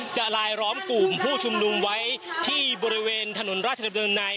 ลายล้อมกลุ่มผู้ชุมนุมไว้ที่บริเวณถนนราชดำเนินใน